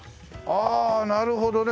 ああなるほどね。